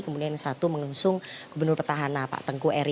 kemudian satu mengusung gubernur pertahanan pak tengku eri